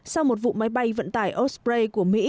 sau một vụ máy bay vận tải osprey của mỹ